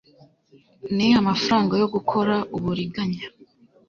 ni amafaranga yo gukora uburiganya